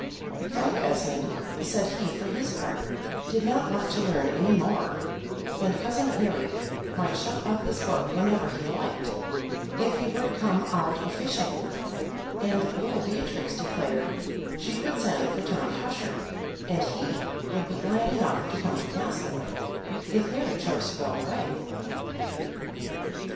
Frank Esmond said he for his part did not want to learn any more, and cousin Harry might shut up his book whenever he liked, if he would come out a fishing; and little Beatrix declared she would send for Tom Tusher, and HE would be glad enough to come to Castlewood, if Harry chose to go away.